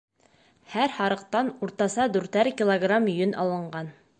Һәр һарыҡтан уртаса дүртәр килограмм йөн алынған.